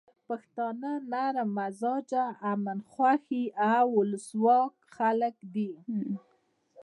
پښتانه نرم مزاجه، امن خوښي او ولسواک خلک دي.